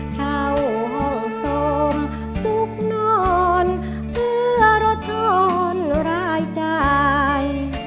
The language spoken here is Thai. เช่าห้องสมสุขนอนเพื่อลดทอนรายจ่าย